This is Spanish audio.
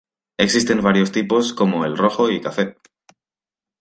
Existen varios tipos como el rojo y cafe.